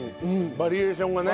バリエーションがね。